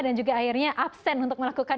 dan juga akhirnya absen untuk melakukan